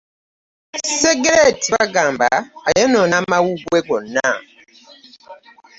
Sseggereeti bagamba ayonoona amawuggwe gonna.